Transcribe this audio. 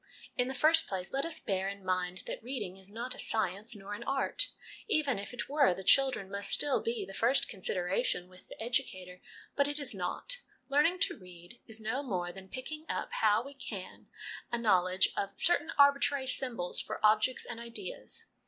In the first place, let us bear in mind that reading is not a science nor an art. Even if it were, the children must still be the first consideration with the educator ; but it is not. Learning to read is no more than picking up, how we can, a knowledge of certain arbitrary symbols for objects and ideas.